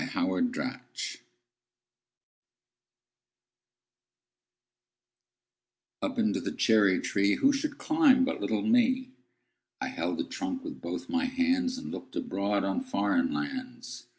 Foreign Lands UP into the cherry treeWho should climb but little me?I held the trunk with both my handsAnd looked abroad on foreign lands.